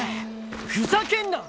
ふざけんな！